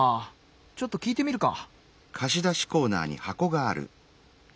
ちょっと聞いてみるか。